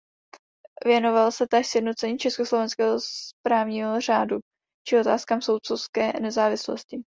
Věnoval se též sjednocení československého právního řádu či otázkám soudcovské nezávislosti.